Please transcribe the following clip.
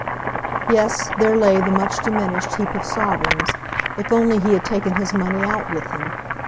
Yes, there lay the much diminished heap of sovereigns. If only he had taken his money out with him!